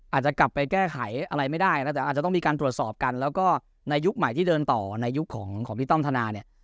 อาจจะกลับไปแก้ไขอะไรไม่ได้นะแต่อาจจะต้องมีการตรวจสอบกันแล้วก็ในยุคใหม่ที่เดินต่อในยุคของพี่ต้อมธนาเนี่ย